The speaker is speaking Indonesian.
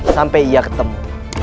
sampai ia ketemu